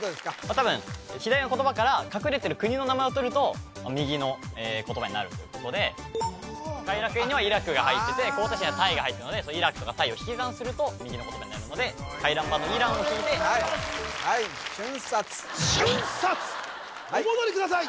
多分左の言葉から隠れてる国の名前を取ると右の言葉になるということでカイラクエンにはイラクが入っててコウタイシにはタイが入ってたのでイラクとかタイを引き算すると右の言葉になるのでカイランバンのイランを引いて「かばん」お戻りください